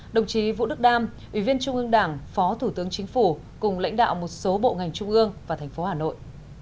đồng chí vũ đức đam ủy viên trung ương đảng phó thủ tướng chính phủ cùng lãnh đạo một số bộ ngành trung ương và thành phố hà nội